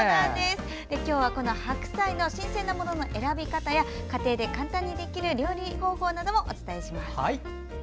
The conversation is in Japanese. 今日は、この白菜の新鮮なものの選び方や家庭で簡単にできる料理方法などもお伝えします。